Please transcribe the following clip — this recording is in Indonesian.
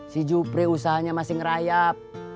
si jupri usahanya masih ngerayap